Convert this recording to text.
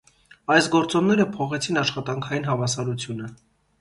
Այս գործոնները փոխեցին աշխատանքային հավասարությունը։